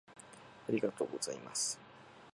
ありがとうございます。